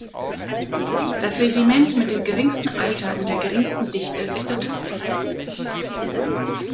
Das Sediment mit dem geringsten Alter und der geringsten Dichte ist der Torf.